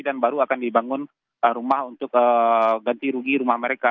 dan baru akan dibangun rumah untuk ganti rugi rumah mereka